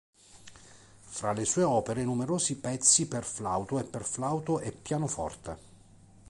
Fra le sue opere numerosi pezzi per flauto e per flauto e pianoforte.